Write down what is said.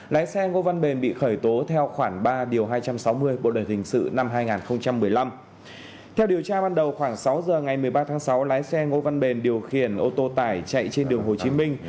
lái xe ngô văn bền điều khiển ô tô tải chạy trên đường hồ chí minh